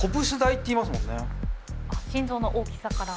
心臓の大きさから。